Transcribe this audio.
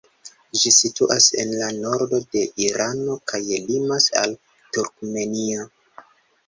Ĝi situas en la nordo de Irano kaj limas al Turkmenio.